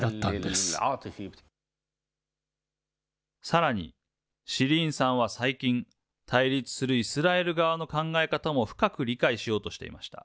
さらに、シリーンさんは最近、対立するイスラエル側の考え方も深く理解しようとしていました。